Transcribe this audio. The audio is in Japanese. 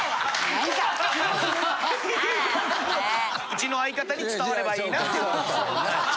・うちの相方に伝わればいいなってことです。